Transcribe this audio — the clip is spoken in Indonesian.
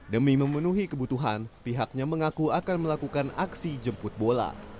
demi memenuhi kebutuhan pihaknya mengaku akan melakukan aksi jemput bola